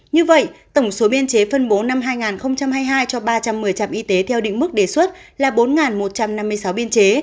như vậy tổng số biên chế phân bố năm hai nghìn hai mươi hai cho ba trăm một mươi trạm y tế theo định mức đề xuất là bốn một trăm năm mươi sáu biên chế